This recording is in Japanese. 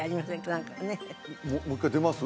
何かねもう一回出ます？